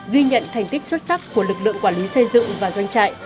ghi nhận thành tích xuất sắc của lực lượng quản lý xây dựng và doanh trại